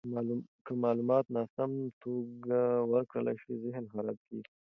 که معلومات ناسمه توګه ورکړل شي، ذهن خراب کیږي.